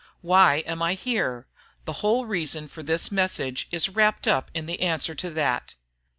Why am I here? The whole reason for this message is wrapped up in the answer to that.